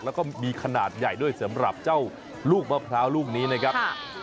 แล้วก็มีขนาดใหญ่ด้วยสำหรับเจ้าลูกมะพร้าวลูกนี้นะครับ